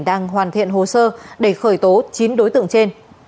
đang hoàn thiện hồ sơ để khởi tố chín đối tượng trên